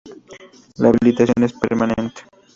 La habilitación es permanente.